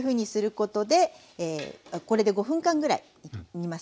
これで５分間ぐらい煮ます。